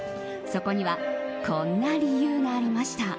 そこにはこんな理由がありました。